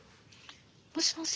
もしもし。